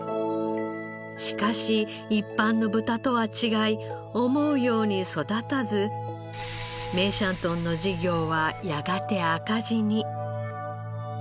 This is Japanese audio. しかし一般の豚とは違い思うように育たず梅山豚の事業はやがて赤字に。